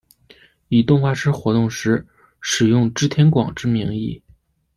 以动画师活动时使用织田广之名义。